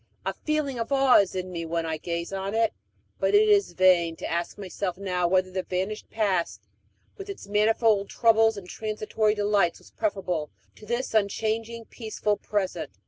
A feeling of awe is in me when I gaze on it; but it is vain to ask myself now whether the vanished past, with its manifold troubles and transitory delights, was preferable to this unchanging peaceful present.